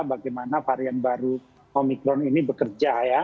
bagaimana varian baru omikron ini bekerja ya